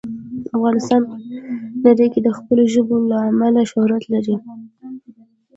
افغانستان په نړۍ کې د خپلو ژبو له امله شهرت لري.